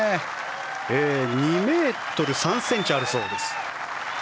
２ｍ３ｃｍあるそうです。